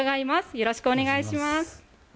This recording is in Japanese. よろしくお願いします。